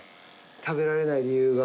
食べられない理由が。